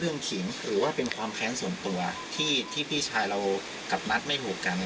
ขิงหรือว่าเป็นความแค้นส่วนตัวที่พี่ชายเรากับนัทไม่ถูกกัน